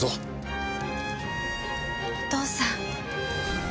お父さん。